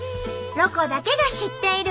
「ロコだけが知っている」。